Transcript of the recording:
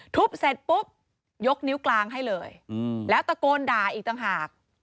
ทุบเสร็จปุ๊บยกนิ้วกลางให้เลยแล้วตะโกนด่าอีกต่างหาก